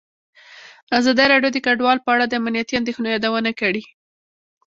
ازادي راډیو د کډوال په اړه د امنیتي اندېښنو یادونه کړې.